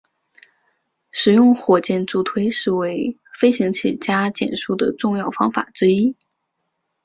使用火箭助推是为飞行器加减速的重要方法之一。